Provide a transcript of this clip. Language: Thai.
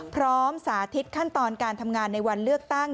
สาธิตขั้นตอนการทำงานในวันเลือกตั้ง